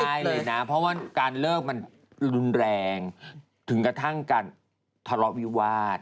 ใช่เลยนะเพราะว่าการเลิกมันรุนแรงถึงกระทั่งการทะเลาะวิวาส